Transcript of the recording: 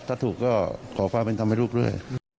ถ้าถุกขอฝั่งเป็นทำให้ลูกด้วย